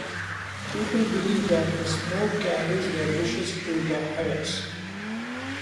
People believe that the smoke carries their wishes to the heavens.